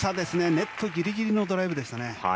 ネットギリギリのドライブでしたね。